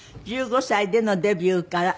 １５歳でのデビューから３７年。